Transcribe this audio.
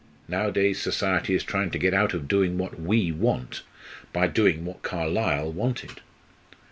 Nowadays society is trying to get out of doing what we want, by doing what Carlyle wanted."